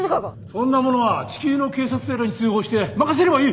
そんなものは地球の警察とやらに通報して任せればいい！